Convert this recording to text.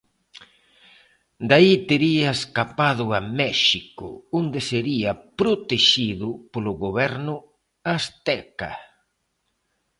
De aí tería escapado a México, onde sería protexido polo Goberno azteca.